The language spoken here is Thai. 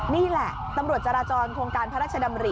นี่แหละตำรวจจราจรโครงการพระราชดำริ